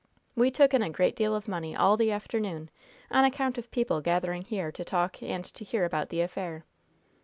We took in a great deal of money all the afternoon on account of people gathering here to talk and to hear about the affair.